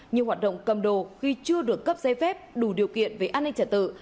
như hoạt động cầm đồ khi chưa được cấp giấy phép đủ điều kiện về an ninh trả tự